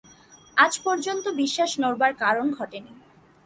আজ পর্যন্ত বিশ্বাস নড়বার কারণ ঘটে নি।